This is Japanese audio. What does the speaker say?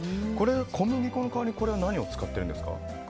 小麦粉の代わりにこれは何を使ってるんですか？